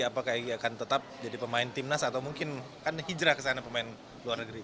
apakah egy akan tetap jadi pemain timnas atau mungkin kan hijrah ke sana pemain luar negeri